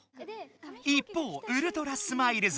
一方ウルトラスマイルズ。